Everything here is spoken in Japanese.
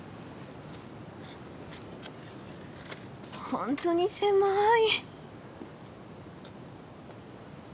本当に狭い！